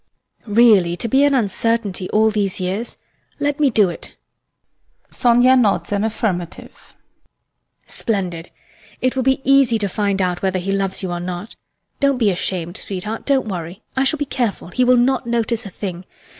[A pause] Really, to be in uncertainty all these years! Let me do it! SONIA nods an affirmative. HELENA. Splendid! It will be easy to find out whether he loves you or not. Don't be ashamed, sweetheart, don't worry. I shall be careful; he will not notice a thing.